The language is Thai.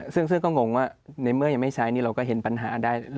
ซึ่งก็งงว่าในเมื่อยังไม่ใช้นี่เราก็เห็นปัญหาได้